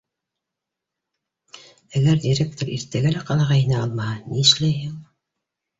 — Әгәр директор иртәгә лә ҡалаға һине алмаһа, нишләйһең?.